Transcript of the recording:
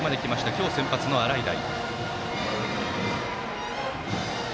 今日の先発、洗平。